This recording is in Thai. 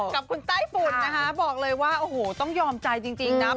กับคุณไต้ฝุ่นนะคะบอกเลยว่าโอ้โหต้องยอมใจจริงนะ